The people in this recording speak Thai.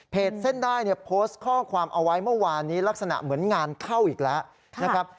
เพจเส้นด้ายโพสต์ข้อความเอาไว้เมื่อวานนี้ลักษณะเหมือนงานเข้าอีกแล้ว